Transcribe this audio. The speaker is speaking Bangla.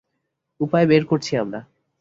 উপায় বের করছি আমরা।